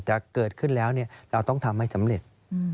แต่เกิดขึ้นแล้วเราต้องทำให้สำเร็จ